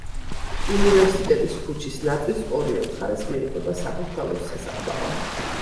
უნივერსიტეტის ქუჩის ნაწილს ორივე მხარეს მიუყვება საბურთალოს სასაფლაო.